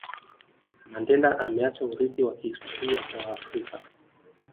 Mandela ameacha urithi wa kihistori kwa waafrika